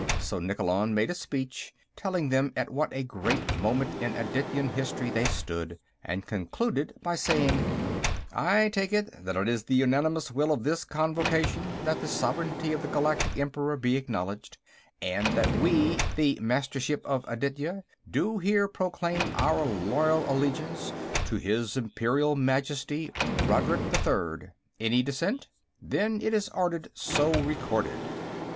So Nikkolon made a speech, telling them at what a great moment in Adityan history they stood, and concluded by saying: "I take it that it is the unanimous will of this Convocation that the sovereignty of the Galactic Emperor be acknowledged, and that we, the 'Mastership of Aditya' do here proclaim our loyal allegiance to his Imperial Majesty, Rodrik the Third. Any dissent? Then it is ordered so recorded."